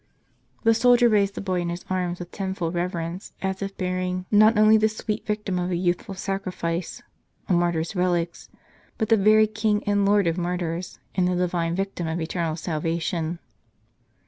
The soldier raised the boy in his arms with tenfold rever ence, as if bearing, not only the sweet victim of a youthful sacrifice, a martyr's relics, but the very King and Lord of Martyrs, and the divine Victim of eternal salvation.